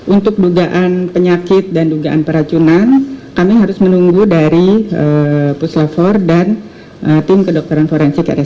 untuk dugaan penyakit dan dugaan peracunan kami harus menunggu dari puslavor dan tim kedokteran forensik rsud